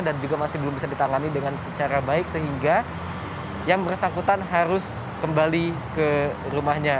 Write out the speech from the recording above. dan juga masih belum bisa ditangani dengan secara baik sehingga yang bersangkutan harus kembali ke rumahnya